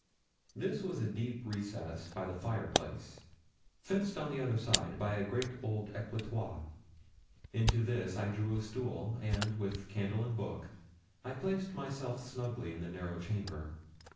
This was a deep recess by the fireplace, fenced on the other side by a great old escritoir. Into this I drew a stool, and, with candle and book, I placed myself snugly in the narrow chamber.